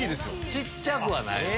小っちゃくはない。